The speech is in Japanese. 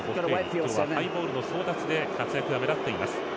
今日はハイボールの争奪で活躍が目立っています。